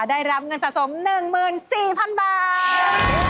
ได้รับเงินสะสม๑๔๐๐๐บาท